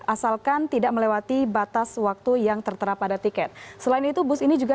asalkan tidak melewati batas waktu yang tertera pada tiket selain itu bus ini juga